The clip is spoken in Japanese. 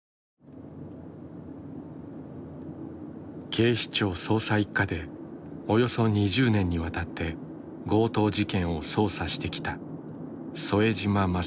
警視庁捜査一課でおよそ２０年にわたって強盗事件を捜査してきた副島雅彦氏。